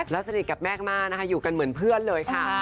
และสนิทแม่งมากอยู่กันเหมือนเพื่อนเลยค่ะ